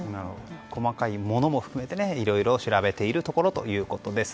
細かいものも含めていろいろ調べているところということです。